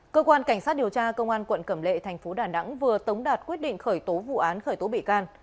cơ quan cảnh sát điều tra công an quận cẩm lệ thành phố đà nẵng vừa tống đạt quyết định khởi tố vụ án khởi tố bị can